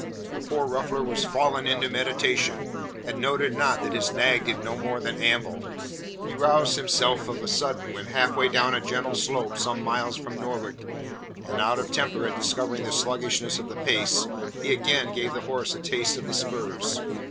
The poor ruffler was fallen into meditation, and noted not that his nag did no more than amble. He roused himself of a sudden when half way down a gentle slope some five miles from Norwich, and out of temper at discovering the sluggishness of the pace, he again gave the horse a taste of the spurs.